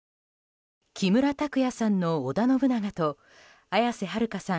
木村拓哉さんの織田信長と綾瀬はるかさん